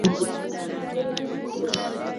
هغه څوک چې زیار باسي ګټي.